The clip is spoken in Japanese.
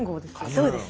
そうです。